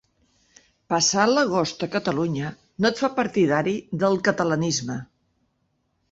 Passar l'agost a Catalunya no et fa partidari del catalanisme.